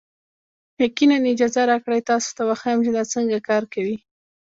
یقینا، اجازه راکړئ تاسو ته وښیم چې دا څنګه کار کوي.